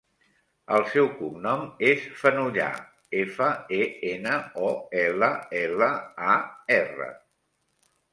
El seu cognom és Fenollar: efa, e, ena, o, ela, ela, a, erra.